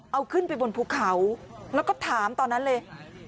เอาขึ้นไปบนภูเขาแล้วก็ถามตอนนั้นเลย